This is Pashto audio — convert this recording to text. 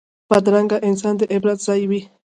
بدرنګه انسان د عبرت ځای وي